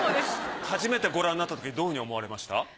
初めてご覧になったときどういうふうに思われました？